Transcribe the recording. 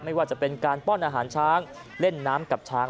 ไม่ว่าจะเป็นการป้อนอาหารช้างเล่นน้ำกับช้าง